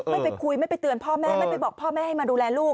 ไม่ไปคุยไม่ไปเตือนพ่อแม่ไม่ไปบอกพ่อแม่ให้มาดูแลลูก